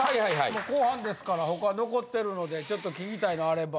もう後半ですからほか残ってるのでちょっと聞きたいのあれば。